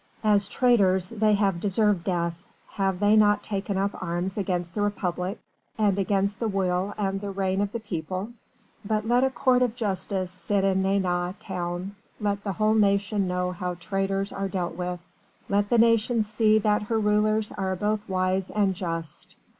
As traitors they have deserved death have they not taken up arms against the Republic and against the Will and the Reign of the People? But let a court of justice sit in Nantes town; let the whole nation know how traitors are dealt with: let the nation see that her rulers are both wise and just.